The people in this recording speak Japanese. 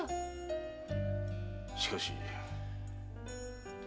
しかし。